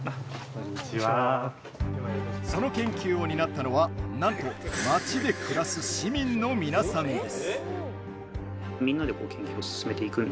その研究を担ったのは、なんと町で暮らす市民のみなさんです。